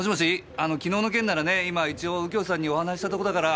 あの昨日の件ならね今一応右京さんにお話ししたとこだから。